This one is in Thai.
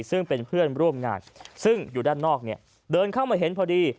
ซึ่งเป็นเพื่อนร่วมงานซึ่งอยู่ด้านนอกเนี่ยเดินเข้ามาเห็นพอดี